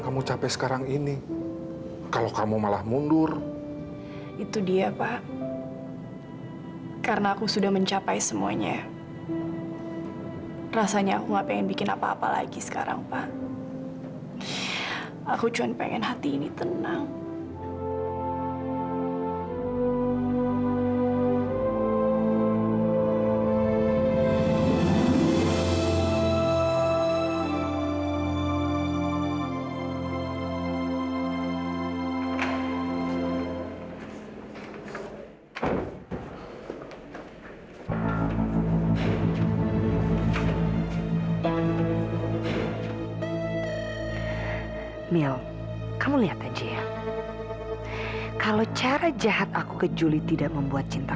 sampai jumpa di video selanjutnya